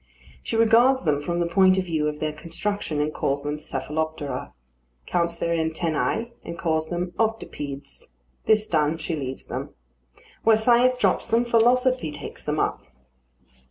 She regards them from the point of view of their construction, and calls them Cephaloptera; counts their antennæ, and calls them Octopedes. This done, she leaves them. Where science drops them, philosophy takes them up.